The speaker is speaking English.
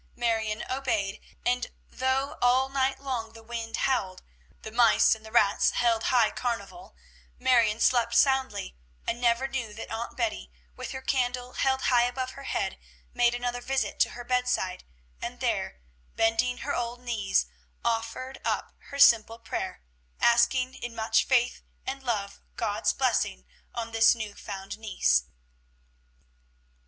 Marion obeyed; and though all night long the wind howled, the mice and the rats held high carnival, Marion slept soundly, and never knew that Aunt Betty, with her candle held high above her head, made another visit to her bedside, and there, bending her old knees, offered up her simple prayer, asking in much faith and love God's blessing on this new found niece.